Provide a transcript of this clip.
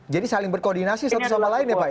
jadi saling berkoordinasi satu sama lain ya pak ya